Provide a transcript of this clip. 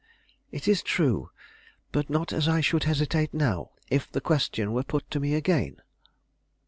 "It is true; but not as I should hesitate now, if the question were put to me again."